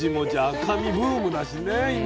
赤身ブームだしね今。